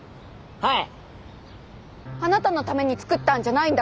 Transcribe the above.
はい！